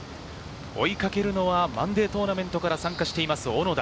追いかけるのはマンデートーナメントから参加している小野田。